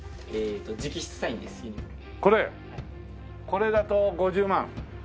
これだと５０万？